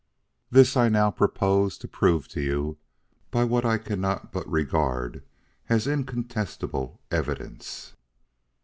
This I now propose to prove to you by what I cannot but regard as incontestable evidence."